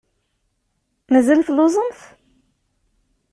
Mazal telluẓemt?